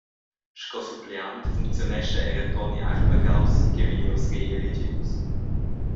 Sco suppleant funcziunescha era Toni Arpagaus ch’ei vegnius reeligius.